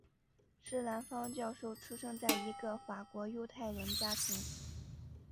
施兰芳教授出生在一个法国犹太人家庭。